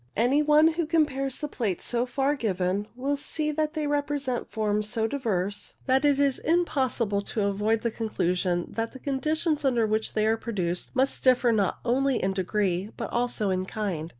Any one who compares the plates so far given will see that they represent forms so diverse that it is im possible to avoid the conclusion that the conditions under which they are produced must differ not only in degree but also in kind.